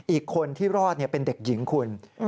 อีกคนที่รอดเป็นเด็กหญิงคุณ